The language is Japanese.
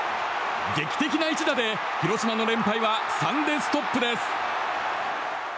劇的な一打で広島の連敗は３でストップです。